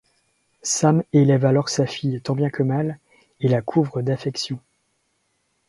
Sam élève alors sa fille tant bien que mal et la couvre d'affection.